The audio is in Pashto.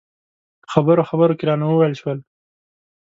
په خبرو خبرو کې رانه وویل شول.